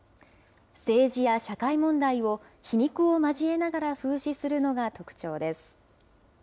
政治や社会問題を、皮肉を交えながら風刺するのが特徴です。